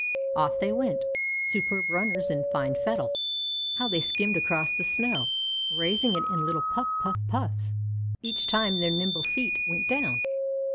Off they went superb runners in fine fettle. How they skimmed across the snow, raising it in little puff puff puffs, each time their nimble feet went down.